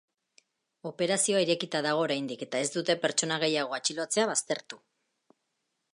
Operazioa irekita dago oraindik, eta ez dute pertsona gehiago atxilotzea baztertu.